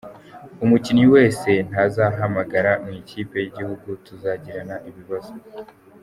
Umukinnyi wese ntazahamagara mu ikipe y’igihugu tuzagirana ibibazo.